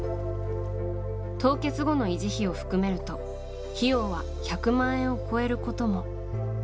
凍結後の維持費を含めると費用は１００万円を超えることも。